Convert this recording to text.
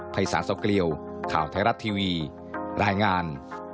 ภัยศาลเศร้าเกลียวข่าวไทยรัฐทีวีรายงาน